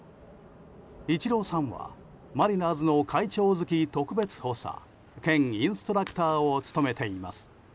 イチローさんはマリナーズの会長付特別補佐兼インストラクターを務めています。